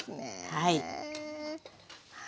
はい。